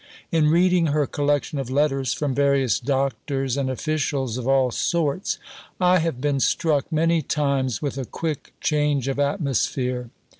In reading her collection of letters from various doctors and officials of all sorts, I have been struck many times with a quick change of atmosphere.